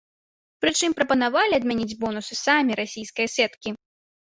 Прычым прапанавалі адмяніць бонусы самі расійскія сеткі.